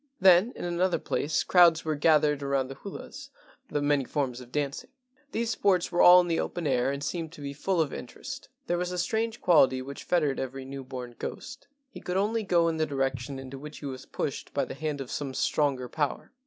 Then in another place crowds were gathered around the hulas (the many forms of dancing). These sports were all in the open air and seemed to be full of interest. There was a strange quality which fettered every new born ghost: he could only go in the direction into which he was pushed by the hand of some stronger power.